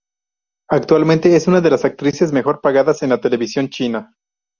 Actualmente es una de las actrices mejor pagadas en la televisión china.